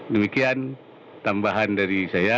demikian tambahan dari saya